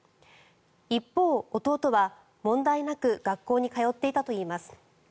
一方、弟は問題なく学校に通っていたといいます。